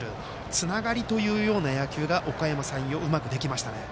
つながりというような野球がおかやま山陽はうまくできましたね。